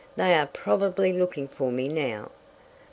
They are probably looking for me now."